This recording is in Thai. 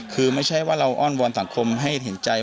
คือไม่ใช่ว่าเราอ้อนวอนสังคมให้เห็นใจ